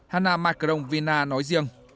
hanna micron vina nói riêng